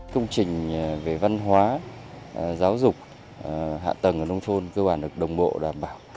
công trình về văn hóa giáo dục hạ tầng ở nông thôn cơ bản được đồng bộ đảm bảo